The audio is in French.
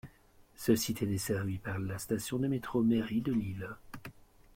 Ce site est desservi par la station de métro Mairie de Lille.